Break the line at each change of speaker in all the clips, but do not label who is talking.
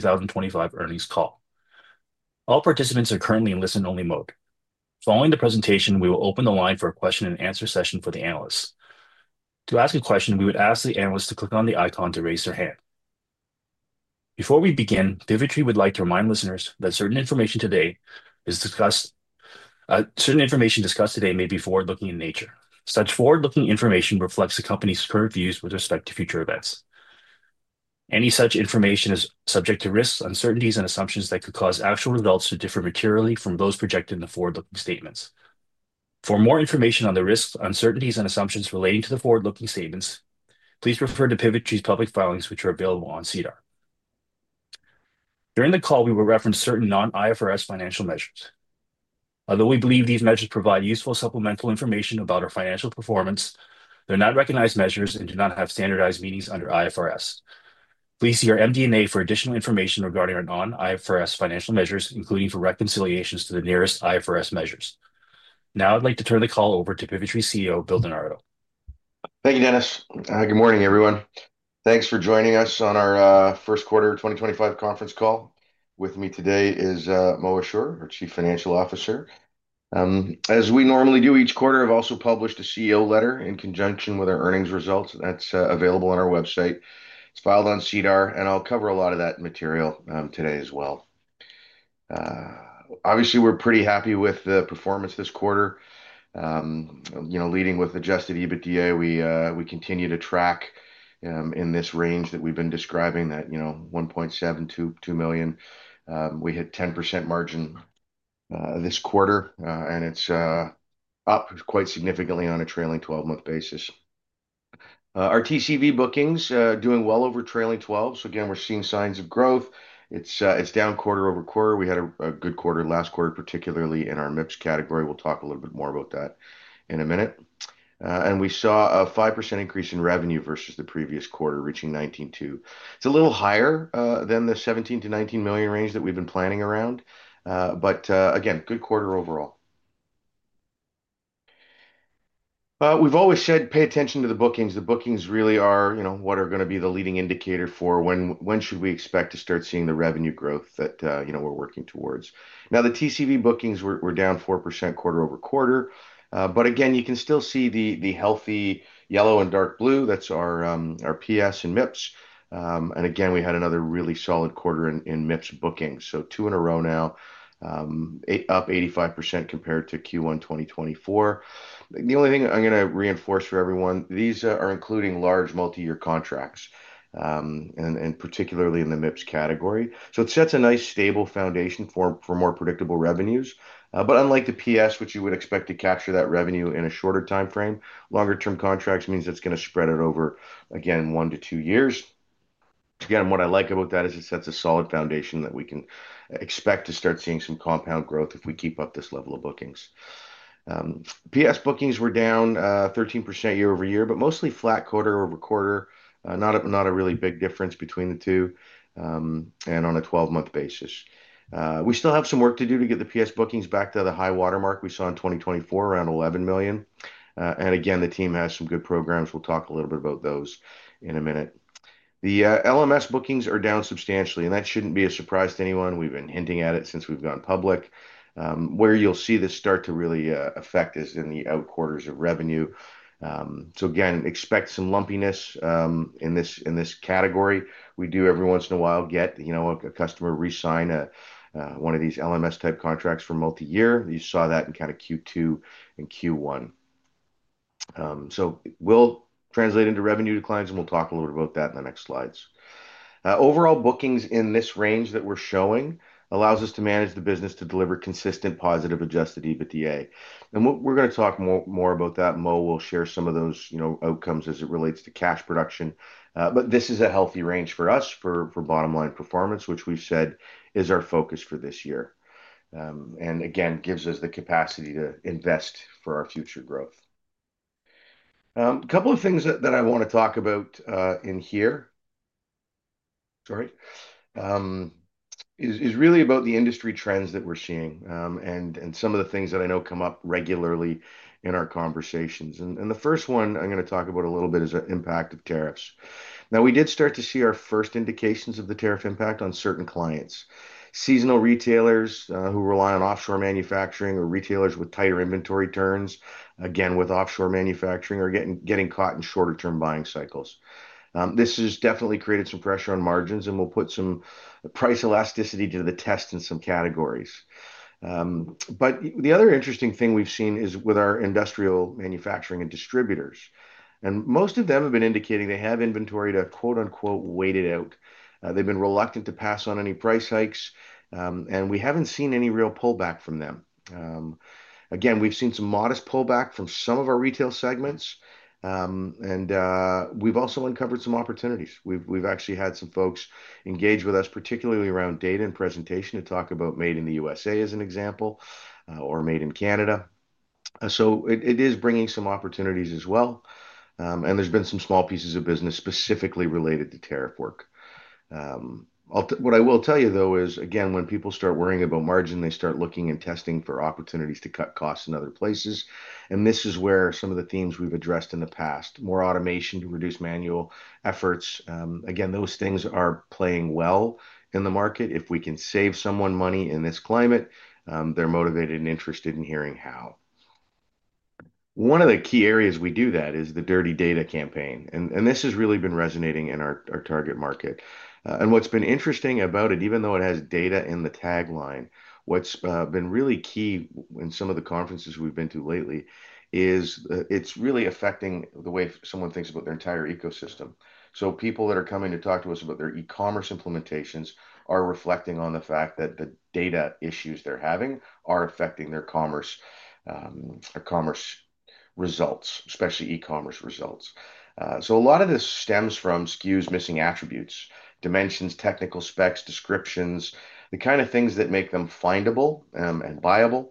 For 2025 earnings call. All participants are currently in listen-only mode. Following the presentation, we will open the line for a question-and-answer session for the analysts. To ask a question, we would ask the analyst to click on the icon to raise their hand. Before we begin, Pivotree would like to remind listeners that certain information discussed today may be forward-looking in nature. Such forward-looking information reflects the company's current views with respect to future events. Any such information is subject to risks, uncertainties, and assumptions that could cause actual results to differ materially from those projected in the forward-looking statements. For more information on the risks, uncertainties, and assumptions relating to the forward-looking statements, please refer to Pivotree's public filings, which are available on SEDAR. During the call, we will reference certain non-IFRS financial measures. Although we believe these measures provide useful supplemental information about our financial performance, they're not recognized measures and do not have standardized meanings under IFRS. Please see our MD&A for additional information regarding our non-IFRS financial measures, including for reconciliations to the nearest IFRS measures. Now, I'd like to turn the call over to Pivotree CEO Bill Di Nardo.
Thank you, Dennis. Good morning, everyone. Thanks for joining us on our first quarter 2025 conference call. With me today is Mo Ashoor, our Chief Financial Officer. As we normally do each quarter, I've also published a CEO letter in conjunction with our earnings results. That's available on our website. It's filed on SEDAR, and I'll cover a lot of that material today as well. Obviously, we're pretty happy with the performance this quarter. You know, leading with Adjusted EBITDA, we continue to track in this range that we've been describing, that, you know, 1.72 million. We hit 10% margin this quarter, and it's up quite significantly on a trailing 12-month basis. Our TCV bookings are doing well over trailing 12. You know, we're seeing signs of growth. It's down quarter over quarter. We had a good quarter last quarter, particularly in our MIPS category. We'll talk a little bit more about that in a minute. We saw a 5% increase in revenue versus the previous quarter, reaching 19.2 million. It is a little higher than the 17-19 million range that we've been planning around, but again, good quarter overall. We've always said, pay attention to the bookings. The bookings really are, you know, what are going to be the leading indicator for when should we expect to start seeing the revenue growth that, you know, we're working towards. Now, the TCV bookings were down 4% quarter over quarter. You can still see the healthy yellow and dark blue. That's our PS and MIPS. Again, we had another really solid quarter in MIPS bookings. Two in a row now, up 85% compared to Q1 2024. The only thing I'm going to reinforce for everyone, these are including large multi-year contracts, and particularly in the MIPS category. It sets a nice stable foundation for more predictable revenues. Unlike the PS, which you would expect to capture that revenue in a shorter time frame, longer-term contracts mean it is going to spread it over, again, one to two years. What I like about that is it sets a solid foundation that we can expect to start seeing some compound growth if we keep up this level of bookings. PS bookings were down 13% year-over-year, but mostly flat quarter over quarter. Not a really big difference between the two. On a 12-month basis, we still have some work to do to get the PS bookings back to the high watermark we saw in 2024, around 11 million. The team has some good programs. We'll talk a little bit about those in a minute. The LMS bookings are down substantially, and that shouldn't be a surprise to anyone. We've been hinting at it since we've gone public. Where you'll see this start to really affect is in the outquarters of revenue. Expect some lumpiness in this category. We do every once in a while get, you know, a customer resign one of these LMS-type contracts for multi-year. You saw that in kind of Q2 and Q1. This will translate into revenue declines, and we'll talk a little bit about that in the next slides. Overall bookings in this range that we're showing allows us to manage the business to deliver consistent positive Adjusted EBITDA. We're going to talk more about that. Mo will share some of those, you know, outcomes as it relates to cash production. This is a healthy range for us for bottom-line performance, which we've said is our focus for this year. Again, gives us the capacity to invest for our future growth. A couple of things that I want to talk about in here, sorry, is really about the industry trends that we're seeing and some of the things that I know come up regularly in our conversations. The first one I'm going to talk about a little bit is the impact of tariffs. Now, we did start to see our first indications of the tariff impact on certain clients. Seasonal retailers who rely on offshore manufacturing or retailers with tighter inventory turns, again, with offshore manufacturing are getting caught in shorter-term buying cycles. This has definitely created some pressure on margins, and we'll put some price elasticity to the test in some categories. The other interesting thing we've seen is with our industrial manufacturing and distributors. Most of them have been indicating they have inventory to "wait it out." They've been reluctant to pass on any price hikes, and we haven't seen any real pullback from them. Again, we've seen some modest pullback from some of our retail segments, and we've also uncovered some opportunities. We've actually had some folks engage with us, particularly around data and presentation to talk about Made in the USA as an example or Made in Canada. It is bringing some opportunities as well. There's been some small pieces of business specifically related to tariff work. What I will tell you, though, is, again, when people start worrying about margin, they start looking and testing for opportunities to cut costs in other places. This is where some of the themes we've addressed in the past: more automation to reduce manual efforts. Again, those things are playing well in the market. If we can save someone money in this climate, they're motivated and interested in hearing how. One of the key areas we do that is the Dirty Data campaign. This has really been resonating in our target market. What's been interesting about it, even though it has data in the tagline, what's been really key in some of the conferences we've been to lately is it's really affecting the way someone thinks about their entire ecosystem. People that are coming to talk to us about their e-commerce implementations are reflecting on the fact that the data issues they're having are affecting their commerce results, especially e-commerce results. A lot of this stems from SKUs missing attributes, dimensions, technical specs, descriptions, the kind of things that make them findable and buyable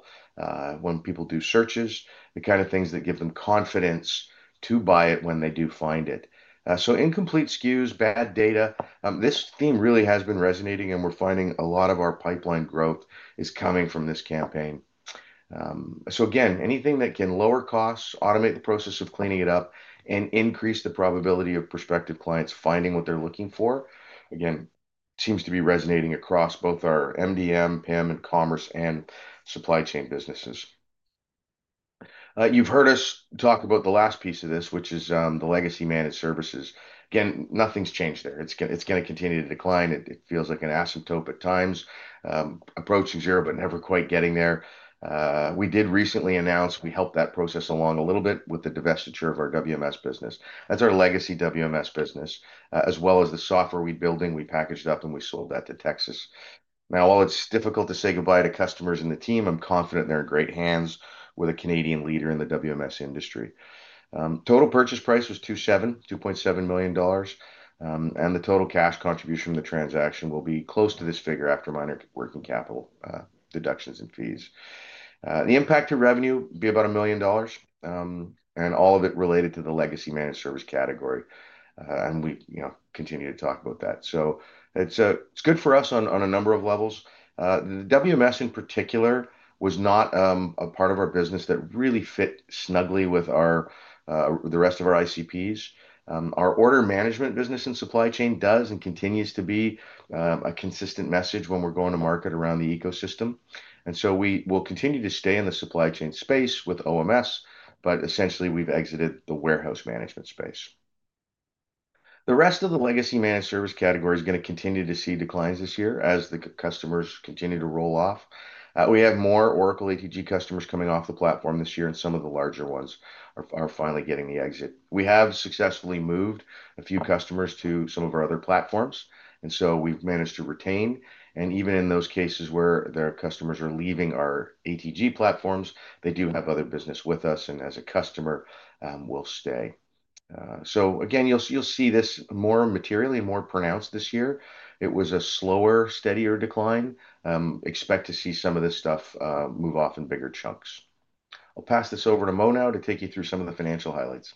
when people do searches, the kind of things that give them confidence to buy it when they do find it. Incomplete SKUs, bad data, this theme really has been resonating, and we're finding a lot of our pipeline growth is coming from this campaign. Anything that can lower costs, automate the process of cleaning it up, and increase the probability of prospective clients finding what they're looking for seems to be resonating across both our MDM, PIM, and commerce and supply chain businesses. You've heard us talk about the last piece of this, which is the legacy managed services. Again, nothing's changed there. It's going to continue to decline. It feels like an asymptote at times, approaching zero, but never quite getting there. We did recently announce we helped that process along a little bit with the divestiture of our WMS business. That's our legacy WMS business, as well as the software we're building. We packaged it up, and we sold that to Texas. Now, while it's difficult to say goodbye to customers and the team, I'm confident they're in great hands with a Canadian leader in the WMS industry. Total purchase price was 2.7 million dollars, and the total cash contribution from the transaction will be close to this figure after minor working capital deductions and fees. The impact to revenue would be about 1 million dollars, and all of it related to the legacy managed service category. And we, you know, continue to talk about that. So it's good for us on a number of levels. The WMS, in particular, was not a part of our business that really fit snugly with the rest of our ICPs. Our order management business and supply chain does and continues to be a consistent message when we're going to market around the ecosystem. And so we will continue to stay in the supply chain space with OMS, but essentially we've exited the warehouse management space. The rest of the legacy managed service category is going to continue to see declines this year as the customers continue to roll off. We have more Oracle ATG customers coming off the platform this year, and some of the larger ones are finally getting the exit. We have successfully moved a few customers to some of our other platforms, and we have managed to retain. Even in those cases where their customers are leaving our ATG platforms, they do have other business with us, and as a customer, will stay. You will see this more materially and more pronounced this year. It was a slower, steadier decline. Expect to see some of this stuff move off in bigger chunks. I will pass this over to Mo now to take you through some of the financial highlights.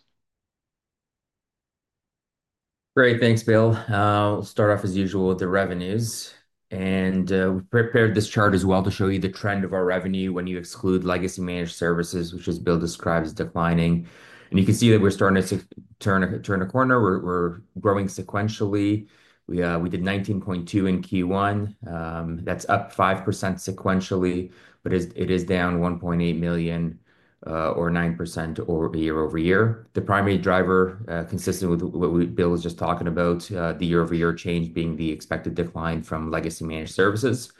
Great. Thanks, Bill. We'll start off, as usual, with the revenues. We prepared this chart as well to show you the trend of our revenue when you exclude legacy managed services, which, as Bill describes, is declining. You can see that we're starting to turn a corner. We're growing sequentially. We did 19.2 million in Q1. That's up 5% sequentially, but it is down 1.8 million or 9% year-over-year. The primary driver, consistent with what Bill was just talking about, the year-over-year change being the expected decline from legacy managed services,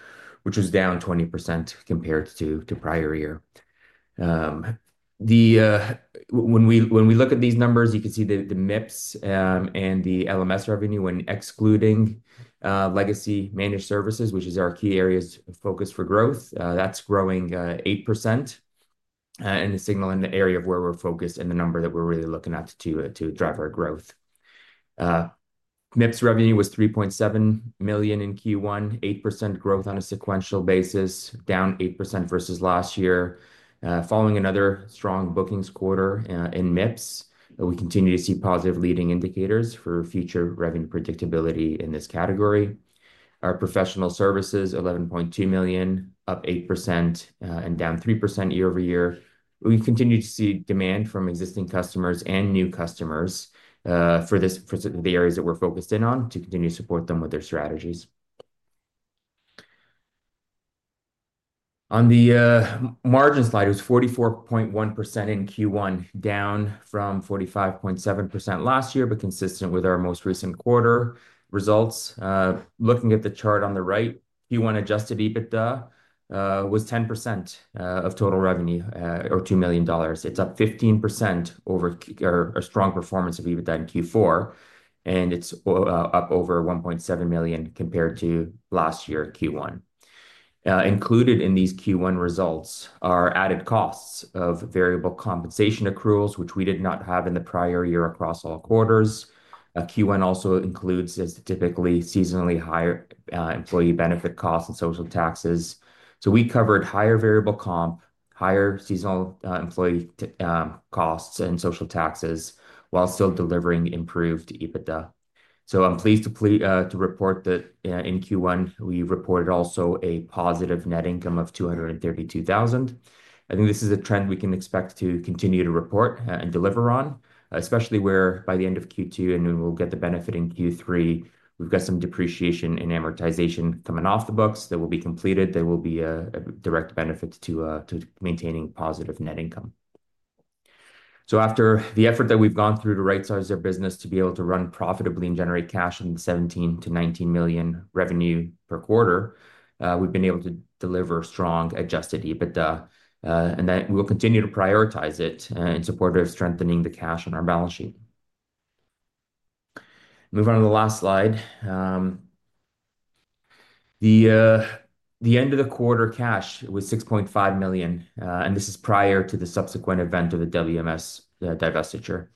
which was down 20% compared to prior year. When we look at these numbers, you can see the MIPS and the LMS revenue. When excluding legacy managed services, which is our key areas of focus for growth, that's growing 8%, and the signal in the area of where we're focused and the number that we're really looking at to drive our growth. MIPS revenue was 3.7 million in Q1, 8% growth on a sequential basis, down 8% versus last year. Following another strong bookings quarter in MIPS, we continue to see positive leading indicators for future revenue predictability in this category. Our professional services, 11.2 million, up 8% and down 3% year-over-year. We continue to see demand from existing customers and new customers for the areas that we're focused in on to continue to support them with their strategies. On the margin slide, it was 44.1% in Q1, down from 45.7% last year, but consistent with our most recent quarter results. Looking at the chart on the right, Q1 Adjusted EBITDA was 10% of total revenue or 2 million dollars. It's up 15% over a strong performance of EBITDA in Q4, and it's up over 1.7 million compared to last year, Q1. Included in these Q1 results are added costs of variable compensation accruals, which we did not have in the prior year across all quarters. Q1 also includes, as typically, seasonally higher employee benefit costs and social taxes. We covered higher variable comp, higher seasonal employee costs, and social taxes while still delivering improved EBITDA. I'm pleased to report that in Q1, we reported also a positive net income of 232,000. I think this is a trend we can expect to continue to report and deliver on, especially where by the end of Q2, and we will get the benefit in Q3, we've got some depreciation and amortization coming off the books that will be completed. There will be a direct benefit to maintaining positive net income. After the effort that we've gone through to right-size our business to be able to run profitably and generate cash on the 17-19 million revenue per quarter, we've been able to deliver strong Adjusted EBITDA, and that we'll continue to prioritize it in support of strengthening the cash on our balance sheet. Move on to the last slide. The end of the quarter cash was 6.5 million, and this is prior to the subsequent event of the WMS divestiture,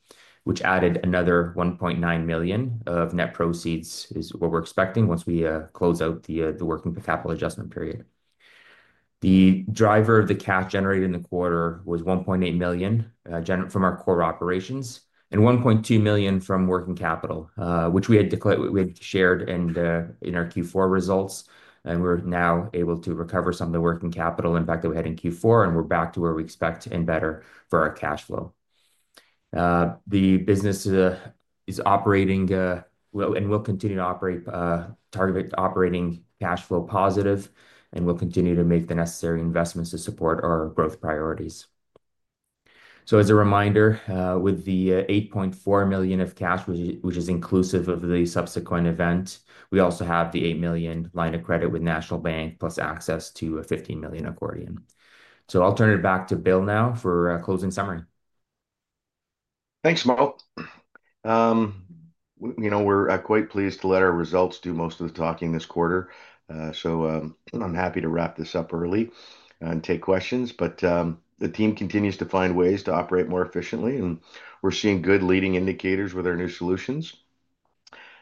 which added another 1.9 million of net proceeds is what we're expecting once we close out the working capital adjustment period. The driver of the cash generated in the quarter was 1.8 million from our core operations and 1.2 million from working capital, which we had shared in our Q4 results. We're now able to recover some of the working capital impact that we had in Q4, and we're back to where we expect and better for our cash flow. The business is operating, and we'll continue to operate targeted operating cash flow positive, and we'll continue to make the necessary investments to support our growth priorities. As a reminder, with the 8.4 million of cash, which is inclusive of the subsequent event, we also have the 8 million line of credit with National Bank plus access to a 15 million accordion. I'll turn it back to Bill now for a closing summary.
Thanks, Mo. You know, we're quite pleased to let our results do most of the talking this quarter. I'm happy to wrap this up early and take questions. The team continues to find ways to operate more efficiently, and we're seeing good leading indicators with our new solutions.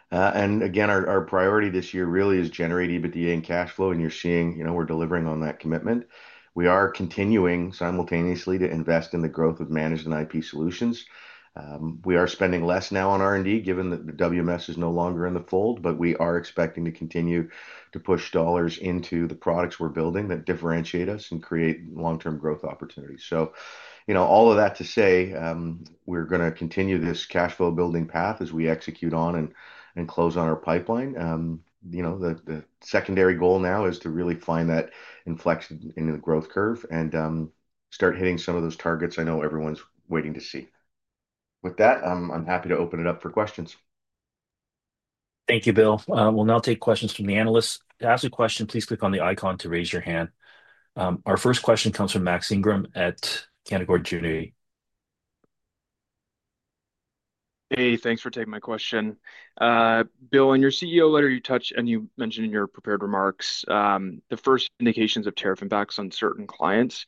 Again, our priority this year really is generating EBITDA and cash flow, and you're seeing, you know, we're delivering on that commitment. We are continuing simultaneously to invest in the growth of managed and IP solutions. We are spending less now on R&D given that the WMS is no longer in the fold, but we are expecting to continue to push dollars into the products we're building that differentiate us and create long-term growth opportunities. You know, all of that to say, we're going to continue this cash flow building path as we execute on and close on our pipeline. You know, the secondary goal now is to really find that inflection in the growth curve and start hitting some of those targets I know everyone's waiting to see. With that, I'm happy to open it up for questions.
Thank you, Bill. We'll now take questions from the analysts. To ask a question, please click on the icon to raise your hand. Our first question comes from Max Ingram at Canaccord Genuity.
Hey, thanks for taking my question. Bill, in your CEO letter, you touched and you mentioned in your prepared remarks the first indications of tariff impacts on certain clients.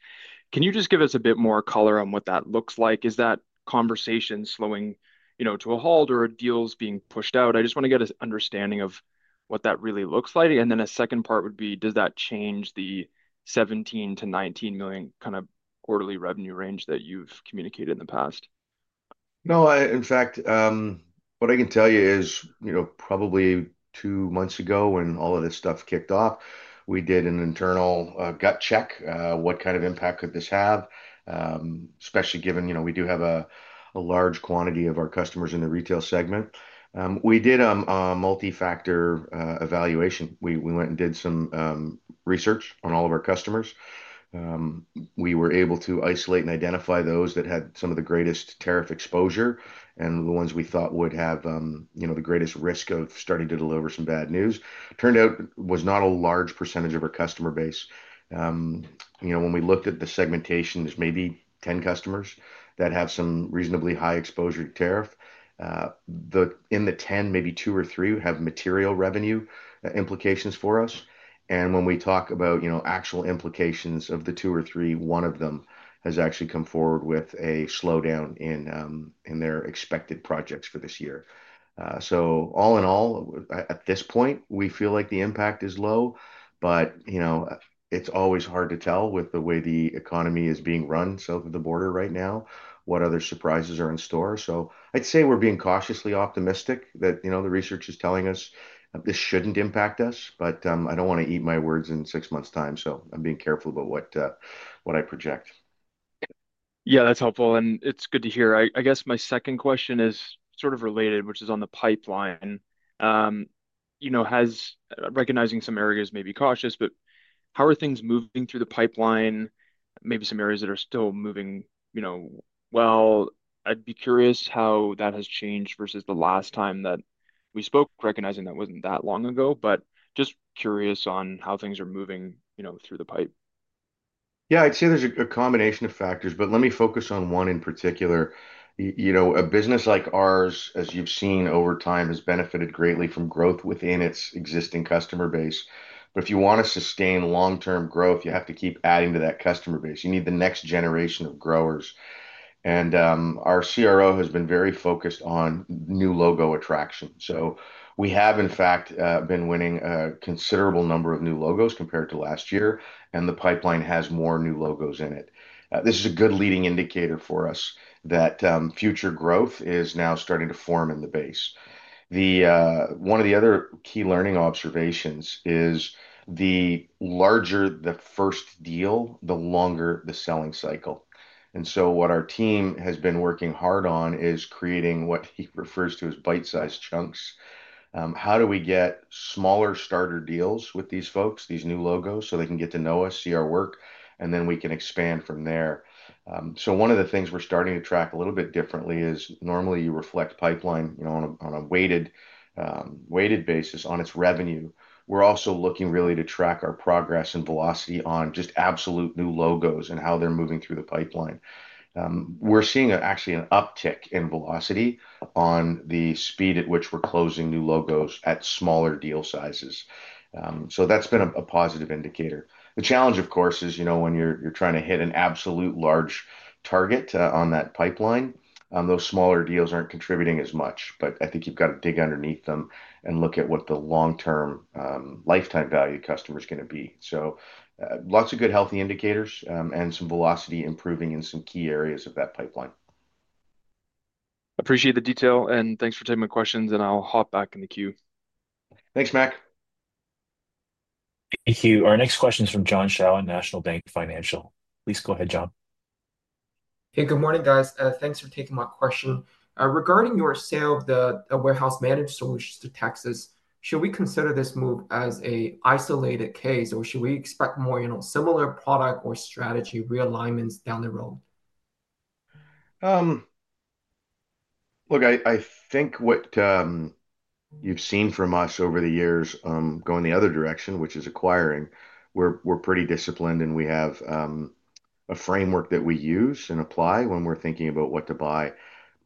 Can you just give us a bit more color on what that looks like? Is that conversation slowing, you know, to a halt or are deals being pushed out? I just want to get an understanding of what that really looks like. And then a second part would be, does that change the 17 million-19 million kind of quarterly revenue range that you've communicated in the past?
No, in fact, what I can tell you is, you know, probably two months ago when all of this stuff kicked off, we did an internal gut check. What kind of impact could this have, especially given, you know, we do have a large quantity of our customers in the retail segment? We did a multi-factor evaluation. We went and did some research on all of our customers. We were able to isolate and identify those that had some of the greatest tariff exposure and the ones we thought would have, you know, the greatest risk of starting to deliver some bad news. Turned out it was not a large percentage of our customer base. You know, when we looked at the segmentation, there are maybe 10 customers that have some reasonably high exposure to tariff. In the 10, maybe two or three have material revenue implications for us. When we talk about, you know, actual implications of the two or three, one of them has actually come forward with a slowdown in their expected projects for this year. All in all, at this point, we feel like the impact is low, but, you know, it's always hard to tell with the way the economy is being run south of the border right now what other surprises are in store. I'd say we're being cautiously optimistic that, you know, the research is telling us this shouldn't impact us, but I don't want to eat my words in six months' time. I'm being careful about what I project.
Yeah, that's helpful, and it's good to hear. I guess my second question is sort of related, which is on the pipeline. You know, recognizing some areas may be cautious, but how are things moving through the pipeline? Maybe some areas that are still moving, you know, well. I'd be curious how that has changed versus the last time that we spoke, recognizing that wasn't that long ago, but just curious on how things are moving, you know, through the pipe.
Yeah, I'd say there's a combination of factors, but let me focus on one in particular. You know, a business like ours, as you've seen over time, has benefited greatly from growth within its existing customer base. But if you want to sustain long-term growth, you have to keep adding to that customer base. You need the next generation of growers. And our CRO has been very focused on new logo attraction. So we have, in fact, been winning a considerable number of new logos compared to last year, and the pipeline has more new logos in it. This is a good leading indicator for us that future growth is now starting to form in the base. One of the other key learning observations is the larger the first deal, the longer the selling cycle. What our team has been working hard on is creating what he refers to as bite-sized chunks. How do we get smaller starter deals with these folks, these new logos, so they can get to know us, see our work, and then we can expand from there? One of the things we are starting to track a little bit differently is normally you reflect pipeline, you know, on a weighted basis on its revenue. We are also looking really to track our progress and velocity on just absolute new logos and how they are moving through the pipeline. We are seeing actually an uptick in velocity on the speed at which we are closing new logos at smaller deal sizes. That has been a positive indicator. The challenge, of course, is, you know, when you are trying to hit an absolute large target on that pipeline, those smaller deals are not contributing as much. I think you've got to dig underneath them and look at what the long-term lifetime value customer is going to be. So lots of good, healthy indicators and some velocity improving in some key areas of that pipeline.
Appreciate the detail, and thanks for taking my questions, and I'll hop back in the queue.
Thanks, Mac.
Thank you. Our next question is from [John Shallow] at National Bank Financial. Please go ahead, John. Hey, good morning, guys. Thanks for taking my question. Regarding your sale of the Warehouse Management System solutions to Texas, should we consider this move as an isolated case, or should we expect more, you know, similar product or strategy realignments down the road?
Look, I think what you've seen from us over the years going the other direction, which is acquiring, we're pretty disciplined, and we have a framework that we use and apply when we're thinking about what to buy.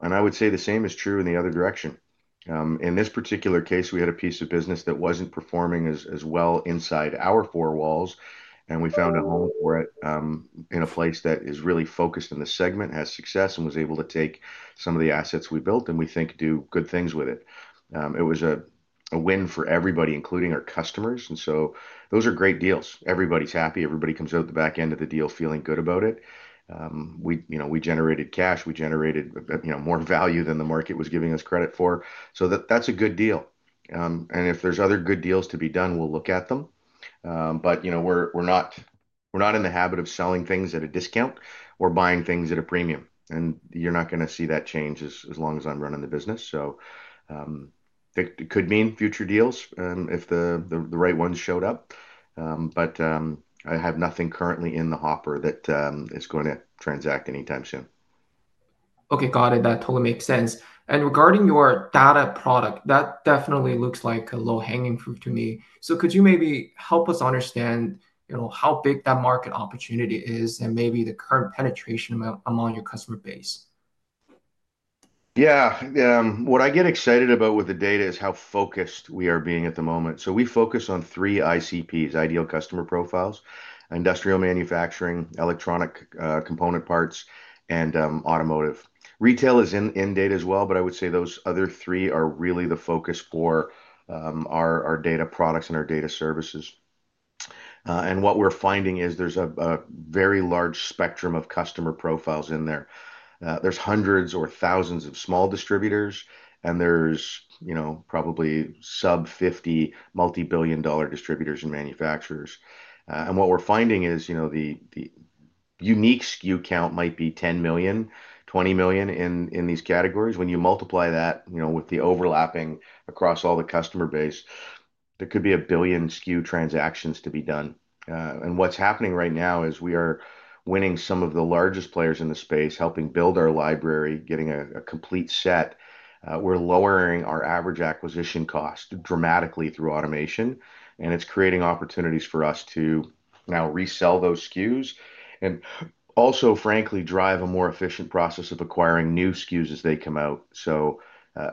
I would say the same is true in the other direction. In this particular case, we had a piece of business that wasn't performing as well inside our four walls, and we found a home for it in a place that is really focused in the segment, has success, and was able to take some of the assets we built and we think do good things with it. It was a win for everybody, including our customers. Those are great deals. Everybody's happy. Everybody comes out the back end of the deal feeling good about it. You know, we generated cash. We generated, you know, more value than the market was giving us credit for. That is a good deal. If there are other good deals to be done, we will look at them. You know, we are not in the habit of selling things at a discount. We are buying things at a premium. You are not going to see that change as long as I am running the business. It could mean future deals if the right ones showed up. I have nothing currently in the hopper that is going to transact anytime soon. Okay, got it. That totally makes sense. Regarding your data product, that definitely looks like a low-hanging fruit to me. Could you maybe help us understand, you know, how big that market opportunity is and maybe the current penetration among your customer base? Yeah. What I get excited about with the data is how focused we are being at the moment. We focus on three ICPs, ideal customer profiles: industrial manufacturing, electronic component parts, and automotive. Retail is in data as well, but I would say those other three are really the focus for our data products and our data services. What we are finding is there is a very large spectrum of customer profiles in there. There are hundreds or thousands of small distributors, and there are, you know, probably sub-50 multi-billion dollar distributors and manufacturers. What we are finding is, you know, the unique SKU count might be 10 million, 20 million in these categories. When you multiply that, you know, with the overlapping across all the customer base, there could be a billion SKU transactions to be done. What's happening right now is we are winning some of the largest players in the space, helping build our library, getting a complete set. We're lowering our average acquisition cost dramatically through automation, and it's creating opportunities for us to now resell those SKUs and also, frankly, drive a more efficient process of acquiring new SKUs as they come out.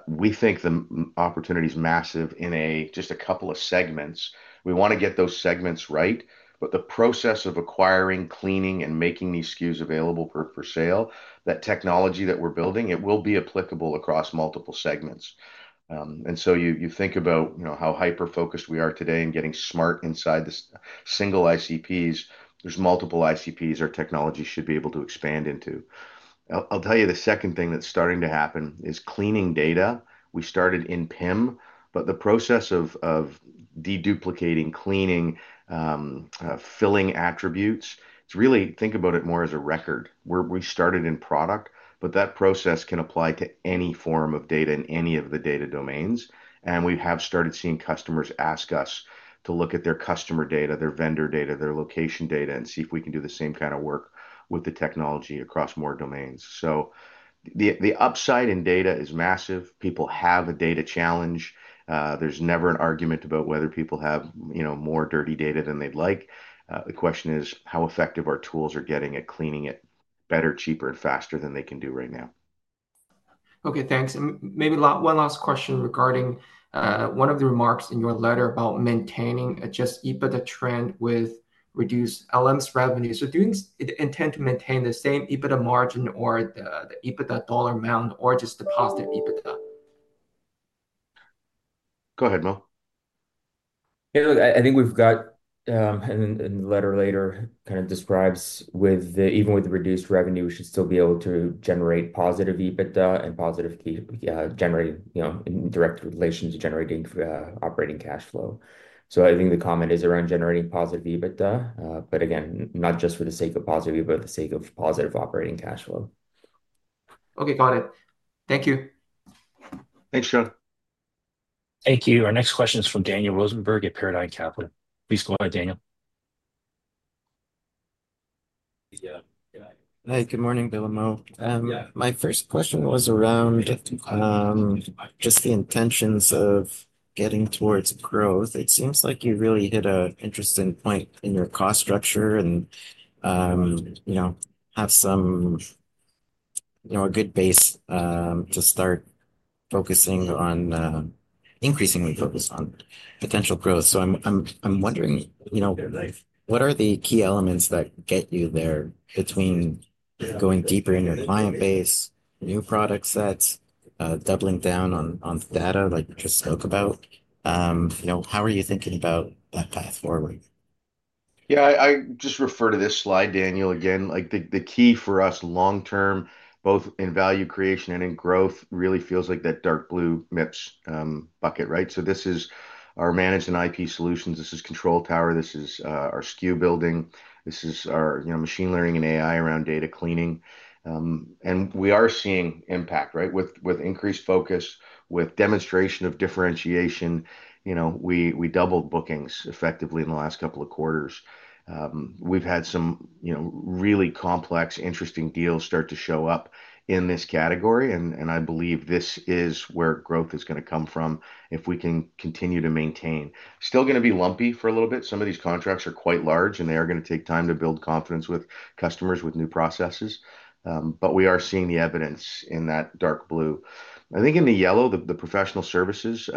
We think the opportunity is massive in just a couple of segments. We want to get those segments right, but the process of acquiring, cleaning, and making these SKUs available for sale, that technology that we're building, it will be applicable across multiple segments. You think about, you know, how hyper-focused we are today in getting smart inside the single ICPs. There are multiple ICPs our technology should be able to expand into. I'll tell you the second thing that's starting to happen is cleaning data. We started in PIM, but the process of deduplicating, cleaning, filling attributes, it's really think about it more as a record. We started in product, but that process can apply to any form of data in any of the data domains. We have started seeing customers ask us to look at their customer data, their vendor data, their location data, and see if we can do the same kind of work with the technology across more domains. The upside in data is massive. People have a data challenge. There's never an argument about whether people have, you know, more dirty data than they'd like. The question is how effective our tools are getting at cleaning it better, cheaper, and faster than they can do right now. Okay, thanks. Maybe one last question regarding one of the remarks in your letter about maintaining just EBITDA trend with reduced LMS revenue. Do you intend to maintain the same EBITDA margin or the EBITDA dollar amount or just deposit EBITDA? Go ahead, Mo.
Hey, look, I think we've got, and the letter later kind of describes with the, even with the reduced revenue, we should still be able to generate positive EBITDA and positive generating, you know, in direct relation to generating operating cash flow. I think the comment is around generating positive EBITDA, but again, not just for the sake of positive EBITDA, but for the sake of positive operating cash flow. Okay, got it. Thank you.
Thanks, John.
Thank you. Our next question is from Daniel Rosenberg at Paradigm Capital. Please go ahead, Daniel.
Hey, good morning, Bill and Moe. My first question was around just the intentions of getting towards growth. It seems like you really hit an interesting point in your cost structure and, you know, have some, you know, a good base to start focusing on, increasingly focus on potential growth. So I'm wondering, you know, what are the key elements that get you there between going deeper in your client base, new product sets, doubling down on the data like you just spoke about? You know, how are you thinking about that path forward?
Yeah, I just refer to this slide, Daniel, again. Like the key for us long-term, both in value creation and in growth, really feels like that dark blue MIPS bucket, right? This is our Managed and IP Solutions. This is Control Tower. This is our SKU building. This is our, you know, machine learning and AI around data cleaning. And we are seeing impact, right? With increased focus, with demonstration of differentiation, you know, we doubled bookings effectively in the last couple of quarters. We've had some, you know, really complex, interesting deals start to show up in this category. I believe this is where growth is going to come from if we can continue to maintain. Still going to be lumpy for a little bit. Some of these contracts are quite large, and they are going to take time to build confidence with customers with new processes. We are seeing the evidence in that dark blue. I think in the yellow, the professional services,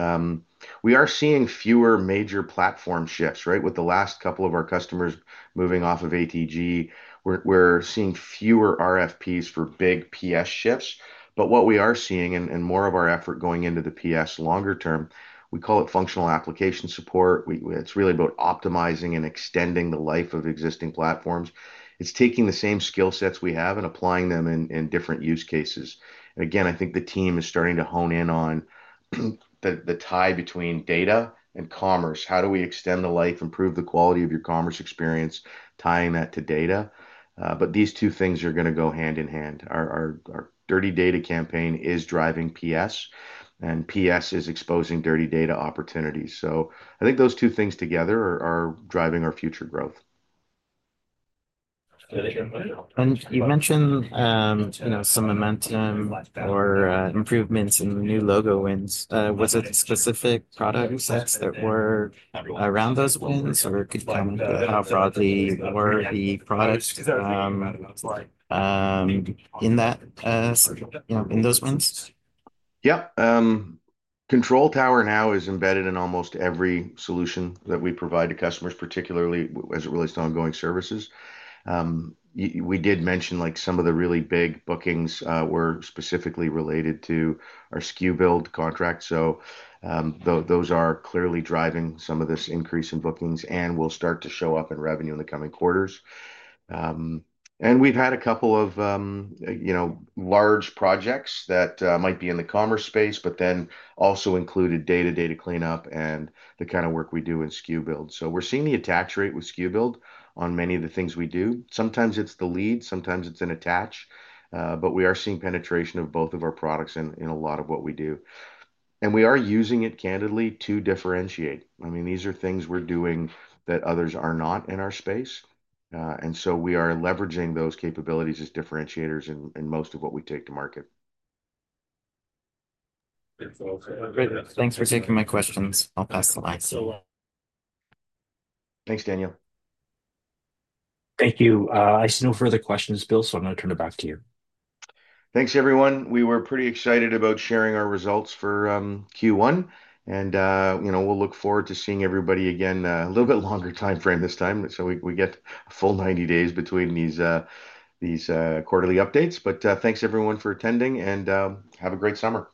we are seeing fewer major platform shifts, right? With the last couple of our customers moving off of ATG, we're seeing fewer RFPs for big PS shifts. What we are seeing and more of our effort going into the PS longer term, we call it functional application support. It's really about optimizing and extending the life of existing platforms. It's taking the same skill sets we have and applying them in different use cases. I think the team is starting to hone in on the tie between data and commerce. How do we extend the life, improve the quality of your commerce experience, tying that to data? These two things are going to go hand in hand. Our Dirty Data campaign is driving PS, and PS is exposing Dirty Data opportunities. I think those two things together are driving our future growth.
You mentioned, you know, some momentum or improvements in new logo wins. Was it specific product sets that were around those wins, or could you tell me how broadly were the products in that, you know, in those wins?
Yeah. Control Tower now is embedded in almost every solution that we provide to customers, particularly as it relates to ongoing services. We did mention like some of the really big bookings were specifically related to our SKU Build contract. Those are clearly driving some of this increase in bookings and will start to show up in revenue in the coming quarters. We've had a couple of, you know, large projects that might be in the commerce space, but then also included data, data cleanup, and the kind of work we do in SKU Build. We're seeing the attach rate with SKU Build on many of the things we do. Sometimes it's the lead. Sometimes it's an attach. We are seeing penetration of both of our products in a lot of what we do. We are using it candidly to differentiate. I mean, these are things we're doing that others are not in our space. We are leveraging those capabilities as differentiators in most of what we take to market.
Thanks for taking my questions. I'll pass the mic.
Thanks, Daniel.
Thank you. I see no further questions, Bill, so I'm going to turn it back to you.
Thanks, everyone. We were pretty excited about sharing our results for Q1. You know, we'll look forward to seeing everybody again a little bit longer timeframe this time. We get a full 90 days between these quarterly updates. Thanks, everyone, for attending, and have a great summer.